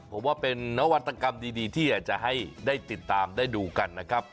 ผมว่าเป็นนวัตกรรมดีที่อยากจะให้ได้ติดตามได้ดูกันนะครับ